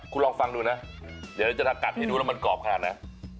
คุณลองฟังดูนะเดี๋ยวจะสกัดให้ดูแล้วมันกรอบขนาดไหน